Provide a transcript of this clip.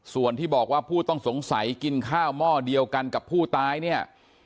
ส่วนที่บอกว่าผู้ต้องสงสัยกินข้าวหม้อเดียวกันกับผู้ตายเนี่ย